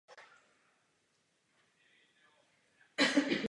Jde o vnitřní záliv u severního břehu zálivu Petra Velikého.